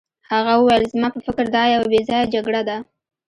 هغه وویل زما په فکر دا یوه بې ځایه جګړه ده.